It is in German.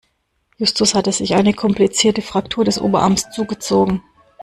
Justus hatte sich eine komplizierte Fraktur des Oberarms zugezogen.